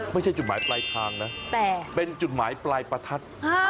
ไม่ใช่จุดหมายปลายทางนะแต่เป็นจุดหมายปลายประทัด